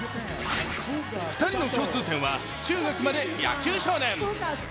２人の共通点は中学まで野球少年。